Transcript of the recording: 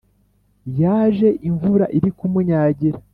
yaje imvura iri kumunyagira